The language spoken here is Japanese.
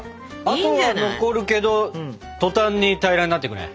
跡は残るけど途端に平らになっていくね。